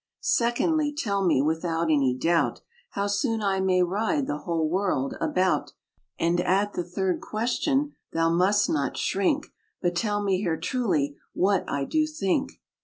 "Secondly, tell me, without any doubt, How soon I may ride the whole world about; And at the third question, thou must not shrink, But tell me here truly what I do think."